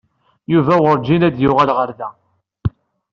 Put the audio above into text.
Yuba werǧin ad d-yuɣal ɣer da.